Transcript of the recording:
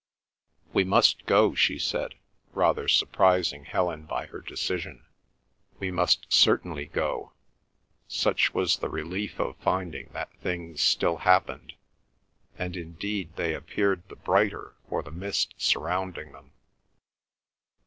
"We must go," she said, rather surprising Helen by her decision. "We must certainly go"—such was the relief of finding that things still happened, and indeed they appeared the brighter for the mist surrounding them.